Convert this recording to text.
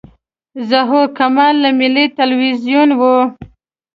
ظهور کمال له ملي تلویزیون و.